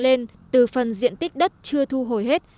xây dựng lên từ phần diện tích đất chưa thu hồi hết